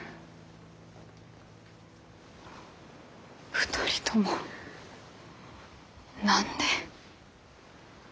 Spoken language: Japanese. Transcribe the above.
２人とも何で。